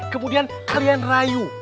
kemudian kalian rayu